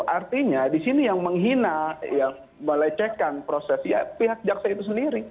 artinya di sini yang menghina yang melecehkan proses ya pihak jaksa itu sendiri